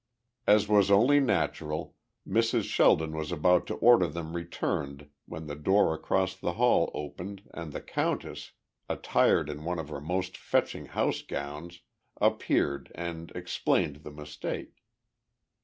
As was only natural, Mrs. Sheldon was about to order them returned when the door across the hall opened and the countess, attired in one of her most fetching house gowns, appeared and explained the mistake.